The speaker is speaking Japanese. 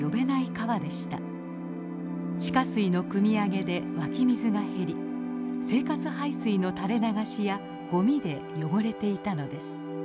地下水のくみ上げで湧き水が減り生活排水の垂れ流しやゴミで汚れていたのです。